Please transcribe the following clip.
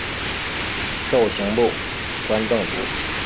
授刑部观政卒。